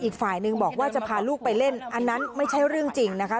อีกฝ่ายนึงบอกว่าจะพาลูกไปเล่นอันนั้นไม่ใช่เรื่องจริงนะคะ